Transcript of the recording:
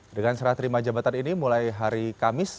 dengan serah terima jabatan ini mulai hari kamis